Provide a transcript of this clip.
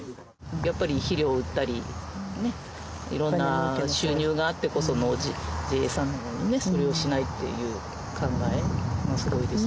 やっぱり肥料を売ったりね色んな収入があってこそのＪＡさんなのにねそれをしないっていう考えがすごいですよね。